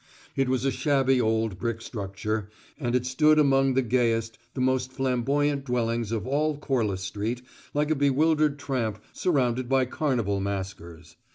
It was a shabby old brick structure, and it stood among the gayest, the most flamboyant dwellings of all Corliss Street like a bewildered tramp surrounded by carnival maskers.